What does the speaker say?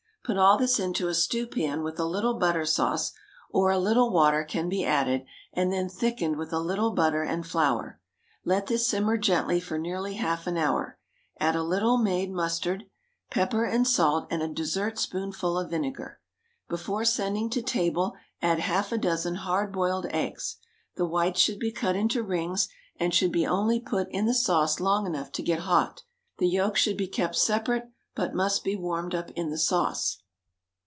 Put all this into a stew pan with a little butter sauce, or a little water can be added and then thickened with a little butter and flour. Let this simmer gently for nearly half an hour, add a little made mustard, pepper and salt and a dessertspoonful of vinegar. Before sending to table add half a dozen hard boiled eggs; the whites should be cut into rings, and should be only put into the sauce long enough to get hot; the yolks should be kept separate, but must be warmed up in the sauce.